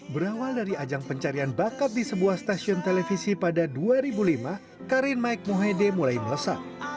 berawal dari ajang pencarian bakat di sebuah stasiun televisi pada dua ribu lima karin mike mohede mulai melesat